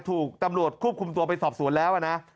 ถูกตำรวจควบคุมตัวไปสอบสวนแล้วนะ